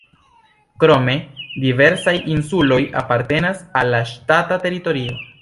Krome diversaj insuloj apartenas al la ŝtata teritorio.